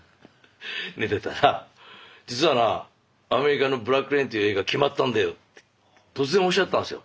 寝てたら実はなアメリカの「ブラック・レイン」という映画決まったんだよって突然おっしゃったんですよ。